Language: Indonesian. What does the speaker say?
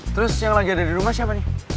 terus yang lagi ada di rumah siapa nih